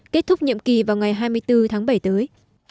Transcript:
kết thúc nhiệm kỳ vào ngày hai mươi bốn tháng bảy tới